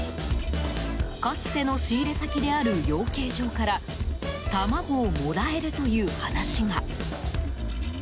かつての仕入れ先である養鶏場から卵をもらえるという話が。